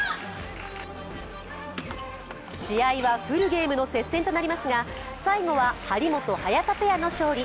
試合はフルゲームの接戦となりますが、最後は張本・早田ペアの勝利。